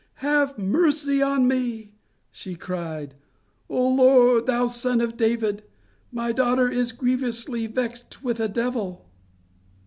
"Have mercy on me," she cried, "O Lord, thou son of David; my daughter is grievously vexed with a devil."